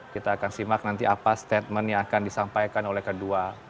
kita akan simak nanti apa statementnya akan disampaikan oleh kedua pihak ini